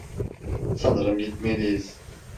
Sanırım gitmeliyiz.